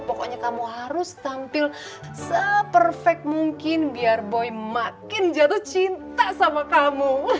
pokoknya kamu harus tampil seperfek mungkin biar boy makin jatuh cinta sama kamu